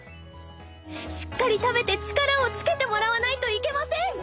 しっかり食べて力をつけてもらわないといけません！